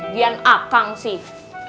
lian akang sih